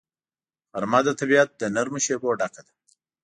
غرمه د طبیعت له نرمو شیبو ډکه ده